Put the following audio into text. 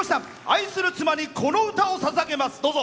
愛する妻に、この歌をささげます。